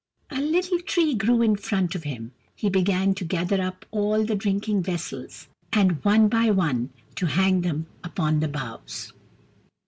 A little tree grew in front of him. He began to gather up all the drinking vessels, and, one by one, to hang them upon the boughs.